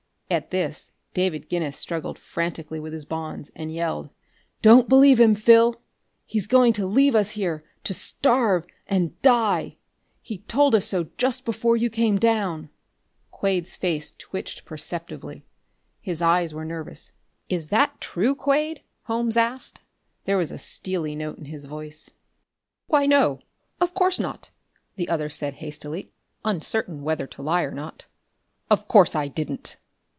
At this, David Guinness struggled frantically with his bonds and yelled: "Don't believe him, Phil! He's going to leave us here, to starve and die! He told us so just before you came down!" Quade's face twitched perceptibly. His eyes were nervous. "Is that true, Quade?" Holmes asked. There was a steely note in his voice. "Why no, of course not," the other said hastily, uncertain whether to lie or not. "Of course I didn't!"